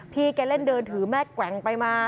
พี่แกเล่นเดินถือแม่แกว่งไปมา